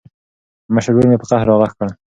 مشر ورور مې په قهر راغږ کړ.